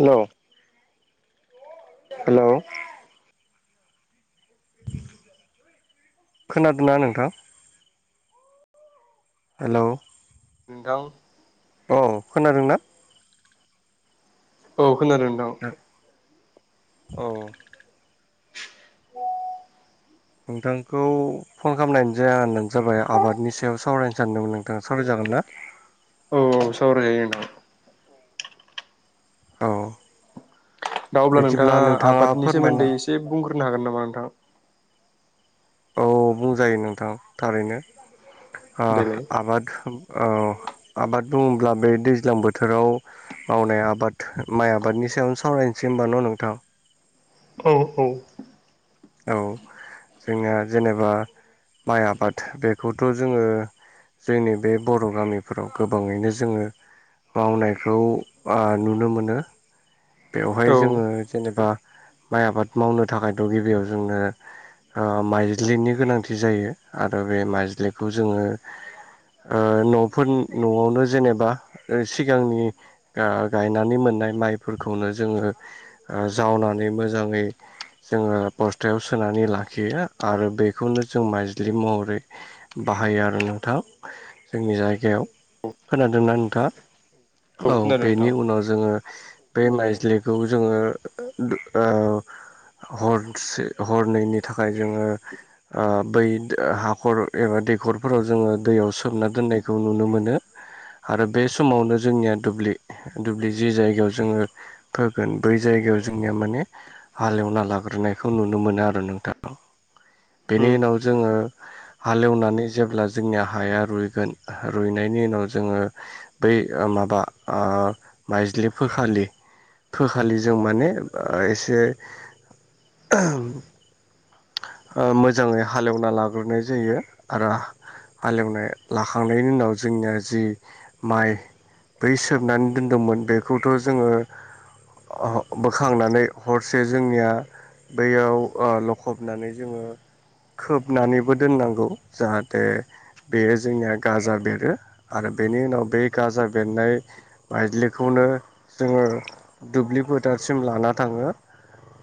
Hello. Hello. खोनादों ना नोंथां? हेलौ। नोंथां अ खोनादोंना? औ खोनादों नोंथां। औ। [unintelligible] नोंथांखौ फन खालामनायानो जाहोनानो जाबाय आबादनि सायाव सावरायनो सानदोंमोन नोंथाङा सावरायजागोन ना? औ औ सावरायजायो नोंथां औ। दा अब्ला बिदिब्ला नोंथाङा आबादनि फोरमायना सोमोन्दै एसे बुंग्रोनो हागोन नामा नोंथाङा? औ बुंजायो नोंथां थारैनो देलाय आबाद औ आबाद बुङोब्ला बे दैज्लां बोथोराव मावनाय आबाद माइ आबादनि सायावनो सावरायनोसै होनबा न' नोंथां? औ औ। औ जोंनिया जेनेबा माइ आबाद बेखौथ' जोङो जोंनि बे बर' गामिफोराव गोबाङैनो जोङो मावनायखौ नुनो मोनो। बेवहाय औ जोङो जेनेबा माइ आबाद मावनो थाखायथ' गिबियाव जोंनो ओ माइज्लिनि गोनांथि जायो आरो बे माइज्लिखौ जोङो ओ न'फोर न'आवनो जेनेबा सिगांनि दा गायनानै मोननाय माइफोरखौनो जोङो ओ जावनानै मोजाङै जोङो बस्थायाव सोनानै लाखियो आरो बेखौनो जों माइज्लि महरै बाहायो आरो नोंथाङा जोंनि जायगायाव खोनादोंना नोंथाङा? औ खोनादों नोंथां बेनि उनाव जोङो बे माइजलिखौ जोङो ओ हर से हरनैनि थाखाय जोङो ओ बै हाखर एबा दैखरफोराव जोङो दैयाव सोमना दोननायखौ नुनो मोनो। आरो बे समावनो जोंनिया दुब्लि दुब्लि जि जायगायाव जोङो फोगोन बै जायगायाव जोंनिया माने हालेवना लाग्रोनाय बेखौ नुनो मोनो आरो नोंथां बेनि उनाव औ जोङो हालेवनानै जेब्ला जोंनि हाया रुइगोन रुइनायनि उनाव जोङो बै माबा ओ माइज्लिफोखालि फोखालि जों माने एसे ओ ओ मोजाङै हालेवना लाग्रोनाय जायो आरो हालेवनाय लाखांनायनि उनाव जोंनिया जि माइ बै सोमनानै दोनदोंमोन बेखौथ' जोङो अ बोखांनानै हरसे जोंनिया बैयाव फबनानै जोङो खोबनानैबो दोननांगौ जाहाथे। बेयो जोंनिया गाजा बेरो आरो बेनि उनाव बे गाजा बेरनाय। बायलिखौनो जोङो दुब्लि फोथोरसिम लाना थाङो।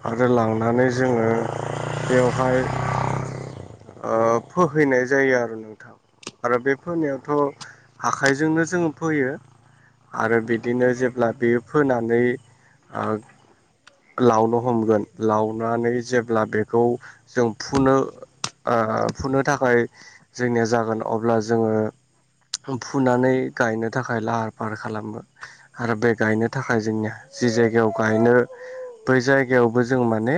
आरो लांनानै जोङो। बेवहाय फोहैनाय जायो आरो नोंथां। आरो बे फोनायावथ आखाइजोंनो जोङो फोयो। आरो बिदिनो जेब्ला बेयो फोनानै ओ लावनो हमगोन लावनानै जेब्ला बेखौ जों फुनो। ओ-फुनो थाखाय जोंनिया जागोन अब्ला जोङो। फुनानै गायनो थाखाय लाहार फाहार खालामगोन। आरो बे गायनो थाखाय जोंनिया जि जायगायाव गायनो। बै जायगायावबो जों माने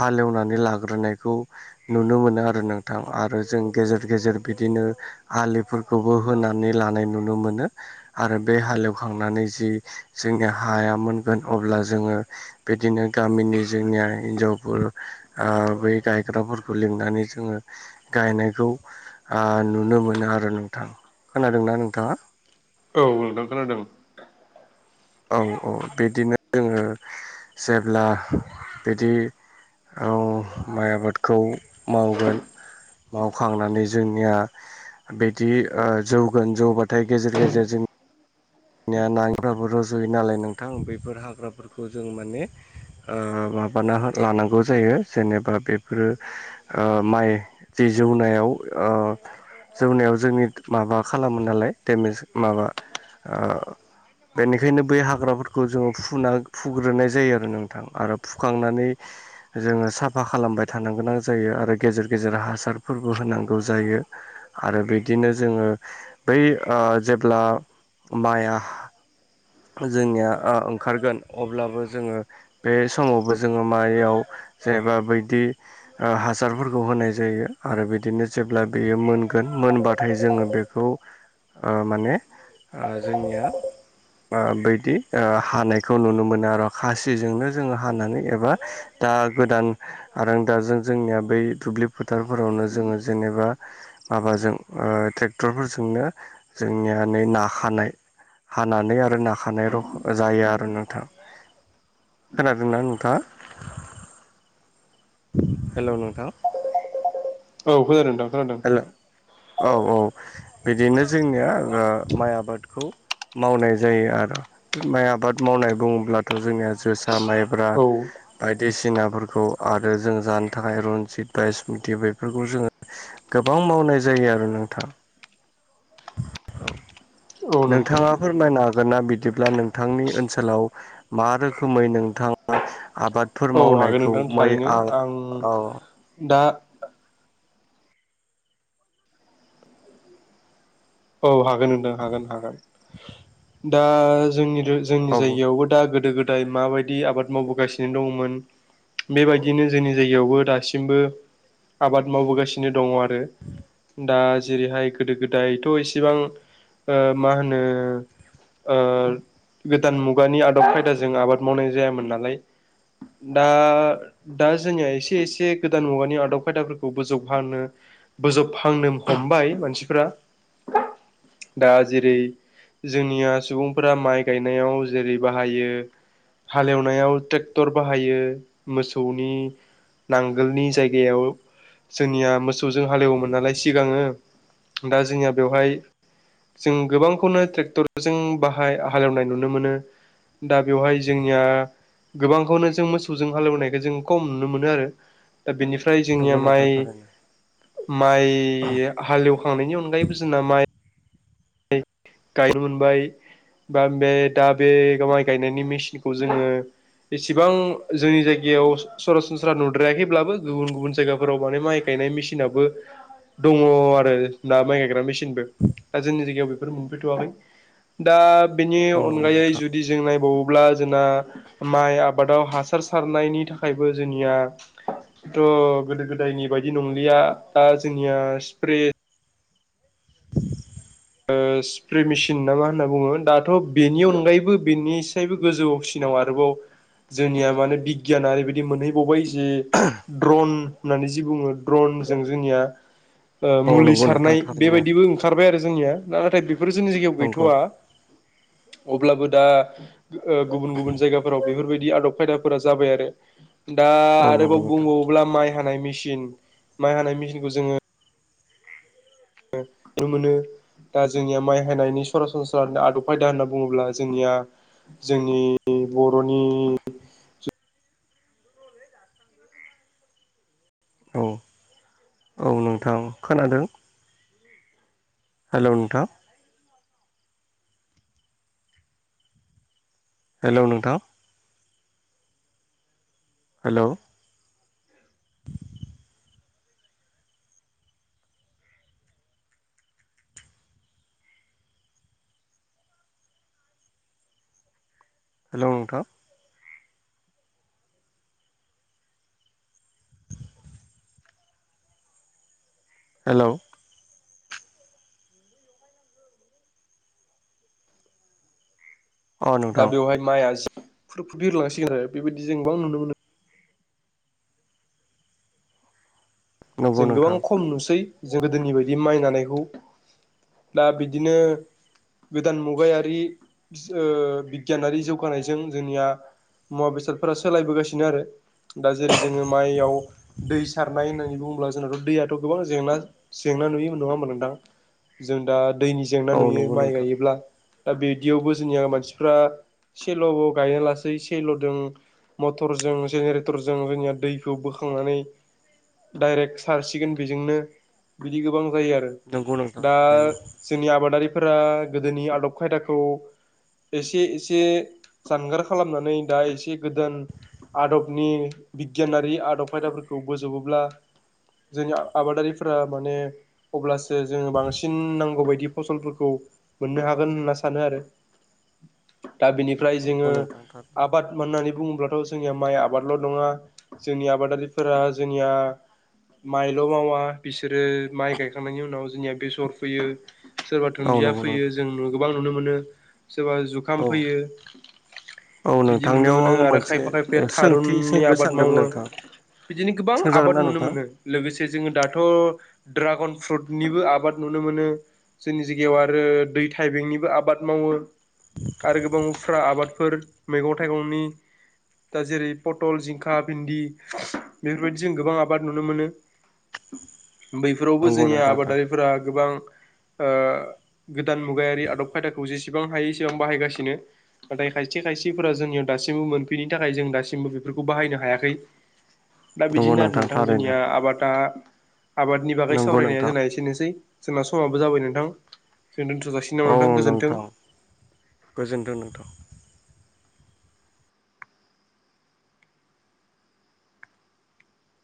हालेवनानै लाग्रोनायखौ। नुनो मोनो आरो नोंथां आरो जों गेजेर गेजेर बिदिनो। आलिफोरखौबो होनानै लानाय नुनो मोनो। आरो बे हालेवखांनानै जि जोंनि हाया मोनगोन अब्ला जोङो। बिदिनो गामिनि जोंनिया हिनजावफोर ओ-बै गायग्राफोरखौ लिंनानै जोङो गायनायखौ ओ-नुनो मोनो आरो नोंथां खोनादोंना नोंथाङा। औ नोंथां खोनादों। औ औ बिदिनो जोङो जेब्ला बिदि। औ माइ आबादखौ मावगोन। मावखांनानै जोंनिया बिदि ओ-जौगोन जौबाथाय गेजेर गेजेरजों या नाङिफ्राबो रजयो नालाय नोंथां बैफोर हाग्राफोरखौ जों माने। ओ-माबाना लानांगौ जायो जेनेबा बेफोर ओ-माइ दै जौनायाव ओ जौनायाव जोंनि माबा खालामो नालाय दडेमेज माबा। ओ बेनिखायनो बै हाग्राफोरखौ जोङो फुना फुग्रोनाय जायो आरो नोंथां आरो फुखांनानै। जोङो साफा खालामबाय थानो गोनां जायो आरो गेजेर गेजेर हासारफोरबो होनांगौ जायो। आरो बिदिनो जोङो बै ओ-जेब्ला माइआ जोंनिया ओ-ओंखारगोन अब्लाबो जोङो। बे समावबो जोङो माइयाव जेनेबा बोयदि। हासारफोरखौ होनाय जायो आरो बिदिनो जेब्ला बेयो मोनगोन मोनबाथाय जोङो बे खौ माने ओ-जोंनिया बोयदि ओ-हानायखौ नुनो मोनो आरो खासिजोंनो जोङो हानानै एबा दा गोदान आरोंदाजों जोंनिया बै दुब्लि फोथारफोरावनो जोङो जेनेबा। माबाजों ओ-ट्रेक्टरफोरजोंनो जोंनिया नै ना हानाय हानानै आरो नाखानाय र जायो आरो नोंथाङा। खोनादोंना नोंथाङा। हेल नोंथां औ खोनादोंदा खोनदों औ औ बिदिनो जोंनिया माइ आबादखौ। मावनाय जायो आरो माइ आबाद मावनाय बुङोब्लाथ जोंनिया जोसा माइब्रा। औ बायदिसिनाफोरखौ आरो जों जानो थाखाय रनजित बायसमुति बेफोरखौ जोङो। गोबां मावनाय जायो आरो नोंथाङा। औ औ नोंथां नोंथाङाफोर होमबा नागोना बिदिब्ला नोंथांनि ओनसोलाव मा रोखोमै नोंथां। आ आबादफोर औ हागोन मावनायखौ नोंथां मै थारैनो आ आं आ दा औ हागोन नोंथां हागोन हागोन दा जोंनि जोंनि औ जायगायावबो दा गोदो गोदाय माबायदि आबाद मावबोगासिनो दङमोन। बेबायदिनो जोंनि जायगायावबो दासिमबो आबाद मावबोगासिनो दङ आरो दा जेरैहाय गोदो गोदाय थ' इसेबां ओ मा होनो ओ गोदान मुगानि आदब खायदाजों आबाद मावनाय जायामोन नालाय दा दा जोंनिया एसे एसे गोदान मुगानि आदब खायदाफोरखौबो जौग होनो बोजबहांनो हमबाय मानसिफ दा जेरै जोंनिया सुबुंफोरा माइ गायनायाव जेरै बाहायो हालेवनायाव ट्रेक्टर बाहायो मोसौनि नांगोलनि जायगायाव जोंनिया मोसौजों हालेवोमोन नालाय सिगाङो दा जोंनिया बेवहाय जों गोबांखौनो ट्रेक्टरजों बाहाय हालेवनाय नुनो मोनो दा बेवहाय जोंनिया गोबांखौनो जों मोसौजों हालेवनायखौ जों खम नुनो मोनो आरो दा बेनिफ्राय जोंनिया नंगौ नोंथां माइ थारैनो माइ हालेवखांनायनि अनगायैबो जोंना माइ गायनो मोनबाय बा दा बे माइ गायनायनि मेसिनखौ जोङो एसेबां जोंनि जायगायाव सरासनस्रा नुद्रायाखैब्लाबो गुबुन गुबुन जायगाफोराव माने माइ गायनाय मेसिनाबो दङ आरो ना माइ गायग्रा मेसिनबो [inaudible] दा जोंनि जायगायाव बेफोर मोनफैथ'वाखै दा बेनि औ नंगौ अनगायै नोंथां जुदि जों नायबावोब्ला जोंना माइ आबादाव हासार सारनायनि थाखायबो जोंनिया थ' गोदो गोदायनि बायदि नंलिया दा जोंनिया स्प्रे ओ स्प्रे मेसिन नामा होनना बुङो दाथ' बेनि अनगायैबो बेनिसायबो गोजौआव नाव आरोबाव जोंनिया माने बिगियाना रैबायदि मोनहैबावबाय जि द्रन होननानै जि बुङो द्रनजों जोंनिया औ मुलि नंगौ नोंथां सारनाय थारैनो बेबायदिबो ओंखार थारबाय आरो जोंनियाा नाथाय बेफोर जोंनि जायगायाव नंगौ गैथ'वा अब्लाबो दा ओ गुबुन गुबुन जायगाफोराव बेफोरबायदि आदब खायदाफोरा जाबाय आरो। दा औ नंगौ आरोबाव नोंथां बुंबावोब्ला माइ हानाय मिसिन माइ हानाय मिसिनखौ जोङो नुनो मोनो दा जोंनिया माइ हायनि सरासनस्रा आदब खायदा होनना बुङोब्ला जोंनिया जोंनि बर'नि औ औ नोंथां खोनादों। हेल' नोंथां? हेल' नोंथां? हेल' हेल' नोंथां? हेल' अ दा नोंथां बेवहाय माइआ बिरलांसिगोन आरो बेबायदि जों गोबां नुनो मोनो नंगौ जों गोबां नोंथां खम नुसै जों गोदोनि बायदि माइ नानायखौ दा बिदिनो गोदान मुगायारि ओ बिगियानारि जौगानायजों जोंनिया मुवा बेसादफोरा सोलायबोगासिनो आरो दा जेरै जोङो माइयाव दै सारनाय होननानै बुङो अब्ला जोंनाथ' दैयाथ' गोबां जेंना-जेंना नुयोमोन नङा होनबा नोंथां। जों दा दैनि जेंना औ नुयो नंगौ माइ नोंथां गायोब्ला दा बिदियावबो जोंनिया मानसिफ्रा सेल'बो गायना लासै सेल'दों मटरजों जेनेरेटरजों जोंनिया दैखौ बोखांनानै डायरेक्ट सारसिगोन बेजोंनो बिदि गोबां जायो आरो नंगौ नोंथां दा थारैनो जोंनि आबादारिफोरा गोदोनि आदब-खायदाखौ एसे एसे जानगार खालामनानै दा एसे गोदान आदबनि बिगियानारि आदब खायदाफोरखौ बोज'बोब्ला जोंनिया आबादारिफोरा माने अब्लासो जोङो बांसिन नांगौ बायदि फसलफोरखौ मोननो हागोन होनना सानो आरो। दा बिनिफ्राय नंगौ जोङो नोंथां थारैनो आबाद मानो होननानै बुङोब्लाथ' जोंनिया माइ आबादल' नङा जोंनि आबादारिफोरा जोंनिया माइल' मावा बिसोरो माइ गायखांनायनि उनाव जोंनिया बेसर फोयो। सोरबा औ दुुनदिया नंगौ फोयो नोंथां जों गोबां नुनो मोनो, सोरबा औ जुखाम फोयो। औ बिदि नुनो नोंथांनियाव आं मोनो आरो मोनसे खायफा खायफाया सोंथि थारुननि सोंनो आबाद सानदोंमोन मावो। नोंथां बिदिनो गोबां सोंजागोन आबाद ना नुनो नोंथां मोनो। लोगोसे जोङो दाथ' ड्रागन फ्रुटनिबो आबाद नुनो मोनो। जोंनि जायगायाव आरो दै थाइबेंनिबो आबाद मावो। आरो गोबांफ्रा आबादफोर मैगं-थाइगंनि दा जेरै पटल, जिंखा, भिन्दि बेफोरबायदि जों गोबां आबाद नुनो मोनो। बैफोरावबो नंगौ जोंनिया नोंथां आबादारिफोरा गोबां ओ गोदान मुगायारि आदब-खायदाखौ जेसेबां हायो एसेबां बाहायगासिनो। नाथाय खायसे खायसेफोरा जोंनियाव दासिमबो मोनफैयैनि थाखाय जों दासिमबो बेफोरखौ बाहायनो हायाखै। [inaudible] दा नंगौ बिदिनो आरो नोंथां थारैनो जोंनिया आबादआ आबादनि बागै नंगौ सावरायनाया नोंथां जोंना एसेनोसै। जोंना समाबो जाबाय नोंथां जों दोन्थ' जासि औ नोंथां गोजोनथों नोंथां।